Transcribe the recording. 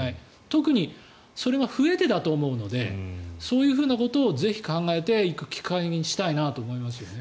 特にそれが不得手だと思うのでそういうことをぜひ考えていく機会にしたいなと思いますね。